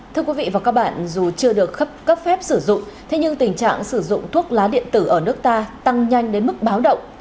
thưa quý vị và các bạn dù chưa được cấp phép sử dụng thế nhưng tình trạng sử dụng thuốc lá điện tử ở nước ta tăng nhanh đến mức báo động